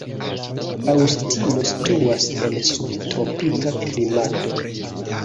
Aŭstino situas en subtropika klimato.